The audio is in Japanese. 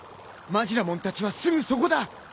マジラモンたちはすぐそこだ！